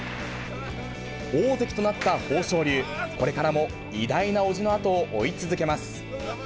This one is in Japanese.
大関となった豊昇龍、これからも偉大なおじの後を追い続けます。